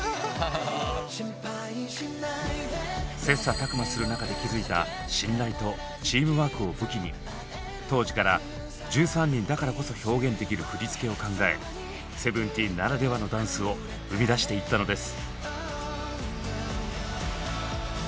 切磋琢磨する中で築いた信頼とチームワークを武器に当時から１３人だからこそ表現できる振り付けを考えＳＥＶＥＮＴＥＥＮならではのダンスを生み出していったのです。